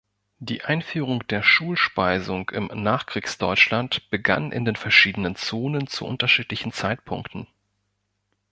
Die Einführung der Schulspeisung im Nachkriegsdeutschland begann in den verschiedenen Zonen zu unterschiedlichen Zeitpunkten.